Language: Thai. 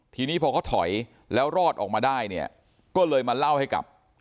ทีนี้พอเขาถอยแล้วรอดออกมาได้เนี่ยก็เลยมาเล่าให้กับ